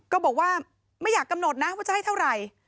ก็บอกว่าไม่อยากกำหนดนะว่าจะให้เท่าไหร่